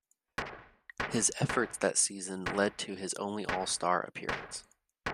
His efforts that season led to his only All-Star appearance.